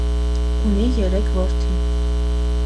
Ունի երեք որդի։